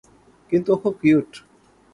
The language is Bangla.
কিন্তু ও খুব কিউট!